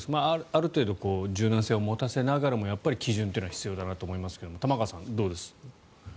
ある程度柔軟性を持たせながらも基準というのは必要だなと思いますが玉川さん、どうでしょう。